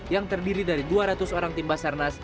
yang terdiri dari dua ratus orang tim basarnas